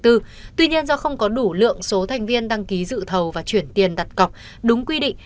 tuy nhiên do không có đủ lượng số thành viên đăng ký dự thầu và chuyển tiền đặt cọc đúng quy định